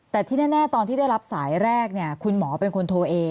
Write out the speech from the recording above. แต่ที่แน่ตอนที่ได้รับสายแรกเนี่ยคุณหมอเป็นคนโทรเอง